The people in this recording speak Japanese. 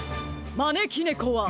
まねきねこは。